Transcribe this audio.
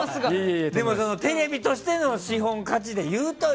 でも、テレビとしての資本価値で言うとよ。